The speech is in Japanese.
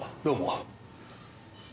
どうも。